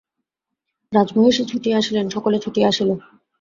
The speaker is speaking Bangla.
রাজমহিষী ছুটিয়া আসিলেন, সকলে ছুটিয়া আসিল!